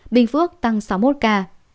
vĩ phúc tăng sáu mươi một ca